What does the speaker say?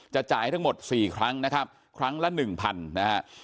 จะจ่ายทั้งหมด๔ครั้งนะครับครั้งละ๑๐๐๐นะครับ